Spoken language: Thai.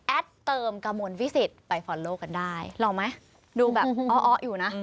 เติมกระมวลวิสิตไปฟอลโลกันได้ลองไหมดูแบบอ้ออยู่นะ